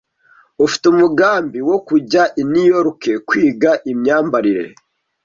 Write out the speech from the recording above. Afite umugambi wo kujya i New York kwiga imyambarire.